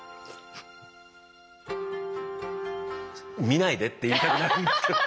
見ないでって言いたくなるんですけど。